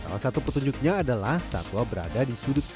salah satu petunjuknya adalah sagwa berada di sudut kebuka